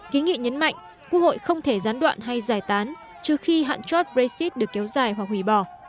ký nghị nhấn mạnh quốc hội không thể gián đoạn hay giải tán trừ khi hạn chót brexit được kéo dài hoặc hủy bỏ